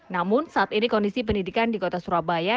namun saat ini kondisi pendidikan di kota surabaya